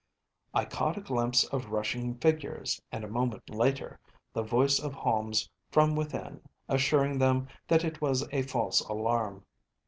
I caught a glimpse of rushing figures, and a moment later the voice of Holmes from within assuring them that it was a false alarm.